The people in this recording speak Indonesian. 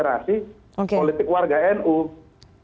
jadi untuk pbnu terutama gus syahya tidak tersinggung begitu ya